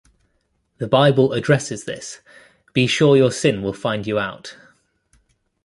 The Bible addresses this: Be sure your sin will find you out.